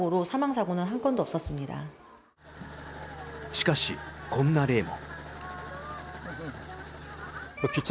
しかしこんな例も。